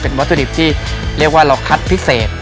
วัตถุดิบที่เรียกว่าเราคัดพิเศษ